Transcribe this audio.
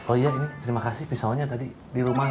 oh iya ini terima kasih pisaunya tadi di rumah